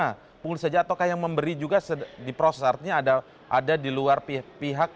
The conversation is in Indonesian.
nah pungli saja ataukah yang memberi juga diproses artinya ada di luar pihak